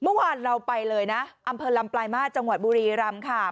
เมื่อวานเราไปเลยนะอำเภอลำปลายมาตรจังหวัดบุรีรำค่ะ